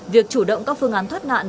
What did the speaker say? việc chủ động các phương án thoát nạn